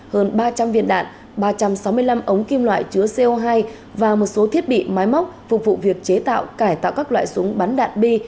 hơn ba trăm linh viên đạn ba trăm sáu mươi năm ống kim loại chứa co hai và một số thiết bị máy móc phục vụ việc chế tạo cải tạo các loại súng bắn đạn bi